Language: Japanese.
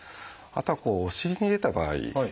あとはお尻に出た場合。